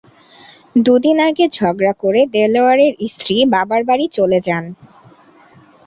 দুই দিন আগে ঝগড়া করে দেলোয়ারের স্ত্রী বাবার বাড়ি চলে যান।